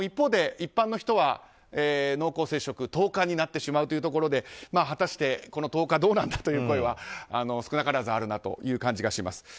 一般の人は濃厚接触、１０日になってしまうということで果たして、この１０日はどうなんだという声は少なからずあるという感じがします。